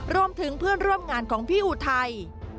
รวมถึงเพื่อนร่วมงานของพี่อุทัย